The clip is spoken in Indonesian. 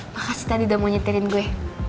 makasih tadi udah mau nyetirin gue